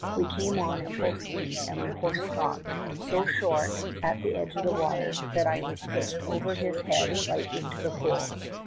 We came on at full speed, and my horse stopped so short at the edge of the water that I was pitched over his head right into the pool.